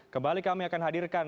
kembali kami akan hadirkan